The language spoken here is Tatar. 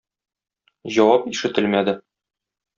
Җавап ишетелмәде.